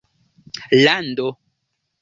lando